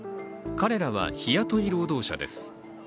彼らは日雇い労働者です。